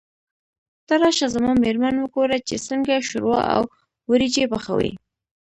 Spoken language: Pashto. ته راشه زما مېرمن وګوره چې څنګه شوروا او وريجې پخوي.